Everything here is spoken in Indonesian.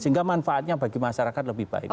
sehingga manfaatnya bagi masyarakat lebih baik